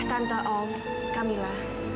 tante om kamila